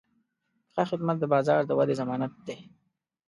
ښه خدمت د بازار د ودې ضمانت دی.